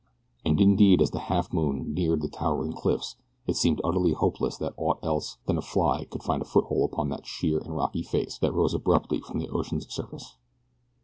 And indeed as the Halfmoon neared the towering cliffs it seemed utterly hopeless that aught else than a fly could find a foothold upon that sheer and rocky face that rose abruptly from the ocean's surface.